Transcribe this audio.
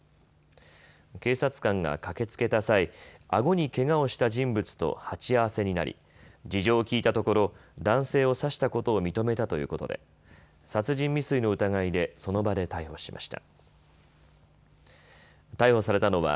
警察官が駆けつけた際、あごにけがをした人物と鉢合わせになり事情を聴いたところ男性を刺したことを認めたということで殺人未遂の疑いでその場で逮捕しました。